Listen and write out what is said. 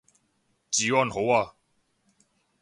治安好啊